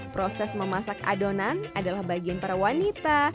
proses memasak adonan adalah bagian para wanita